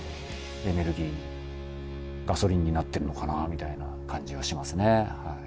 エネルギーにガソリンになってるのかなみたいな感じはしますねはい。